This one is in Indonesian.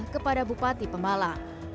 kepada bupati pemala